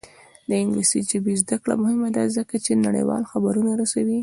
د انګلیسي ژبې زده کړه مهمه ده ځکه چې نړیوال خبرونه رسوي.